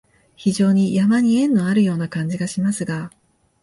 非常に山に縁のあるような感じがしますが、